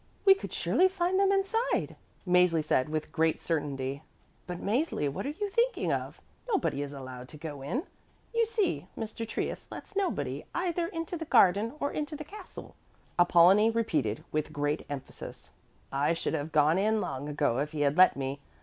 "We could surely find them inside," Mäzli said with great certainty. "But Mäzli, what are you thinking of? Nobody is allowed to go in. You see, Mr. Trius lets nobody either into the garden or into the castle," Apollonie repeated with great emphasis. "I should have gone in long ago if he had let me.